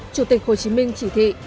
chủ tịch hồ chí minh chỉ thị